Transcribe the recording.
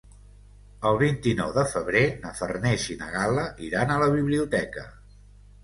El vint-i-nou de febrer na Farners i na Gal·la iran a la biblioteca.